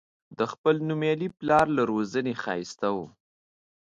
د خپل نومیالي پلار له روزنې ښایسته و.